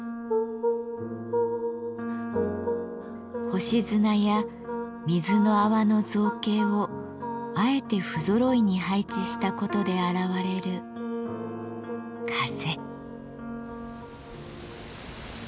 星砂や水の泡の造形をあえて不ぞろいに配置したことで現れる「風」。